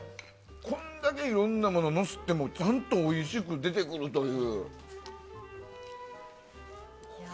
こんだけいろいろなもののせてもちゃんとおいしく出てくるという。